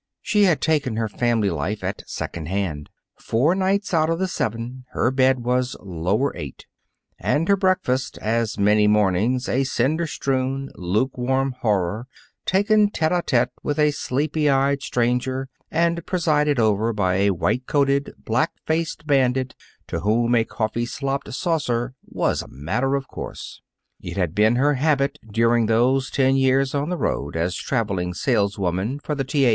She had taken her family life at second hand. Four nights out of the seven, her bed was "Lower Eight," and her breakfast, as many mornings, a cinder strewn, lukewarm horror, taken tete a tete with a sleepy eyed stranger and presided over by a white coated, black faced bandit, to whom a coffee slopped saucer was a matter of course. It had been her habit during those ten years on the road as traveling saleswoman for the T. A.